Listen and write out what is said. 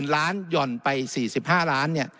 ๑๐๐๐๐ล้านย่อนไป๔๕ล้าน